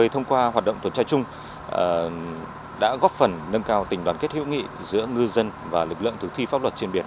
trung đã góp phần nâng cao tình đoàn kết hữu nghị giữa ngư dân và lực lượng thực thi pháp luật trên biển